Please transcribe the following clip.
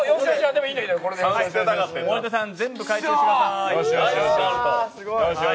森田さん、全部回収してください。